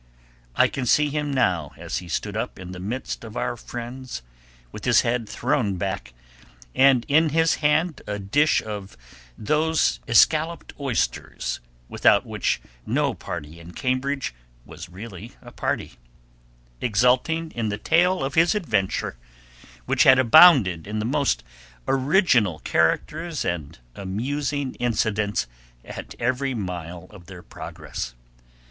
I can see him now as he stood up in the midst of our friends, with his head thrown back, and in his hand a dish of those escalloped oysters without which no party in Cambridge was really a party, exulting in the tale of his adventure, which had abounded in the most original characters and amusing incidents at every mile of their progress.